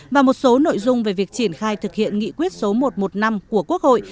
và một số nội dung về việc triển khai thực hiện nghị quyết số một trăm một mươi năm của quốc hội